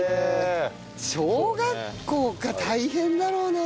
小学校か大変だろうな。